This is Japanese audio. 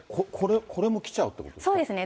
これも来ちゃうってことですか。